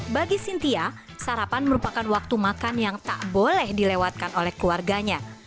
bagi sintia sarapan merupakan waktu makan yang tak boleh dilewatkan oleh keluarganya